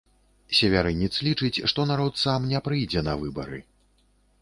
Севярынец лічыць, што народ сам не прыйдзе не выбары.